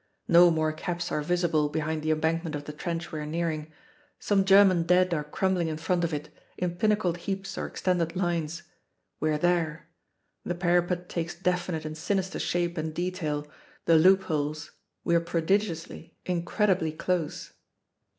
No more caps are visible behind the embankment of the trench we are nearing. Some German dead are crumbling in front of it, in pinnacled heaps or extended lines. We are there. The parapet takes definite and sinister shape and detail; the loopholes we are prodigiously, incredibly close!